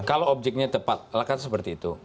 kalau objeknya tepat akan seperti itu